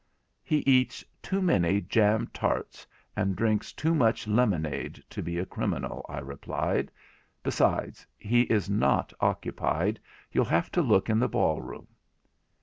'He eats too many jam tarts and drinks too much lemonade to be a criminal,' I replied; 'besides, he is not occupied, you'll have to look in the ball room.'